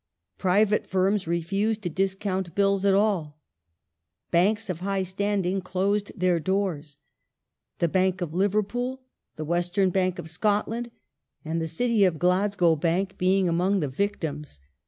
Private firms refused to discount bills at all. Banks of high standing closed their doors : the Bank of Liverpool, the West ern Bank of Scotland, and the City of Glasgow Bank being among the victims.